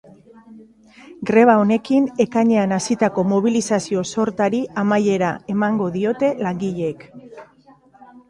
Greba honekin, ekainean hasitako mobilizazio sortari amaiera emango diote langileek.